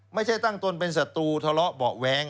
ไม่ใช่ตั้งต้นเป็นศัตรูทะเลาะเบาะแว้ง